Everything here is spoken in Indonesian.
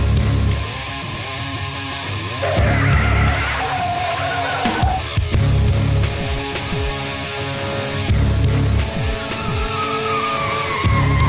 semoga kamu tidak kena sakit cinta